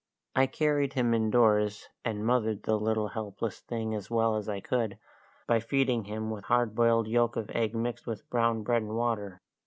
I carried him indoors, and "mothered" the little helpless thing as well as I could, by feeding him with hard boiled yolk of egg mixed with brown bread and water.